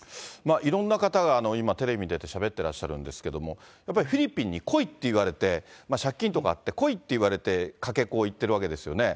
いろんな方が今、テレビに出てしゃべってらっしゃるんですけど、やっぱりフィリピンに来いって言われて、借金とかあって、来いって言われてかけ子をいってるわけですよね。